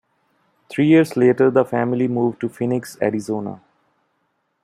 Three years later, the family moved to Phoenix, Arizona.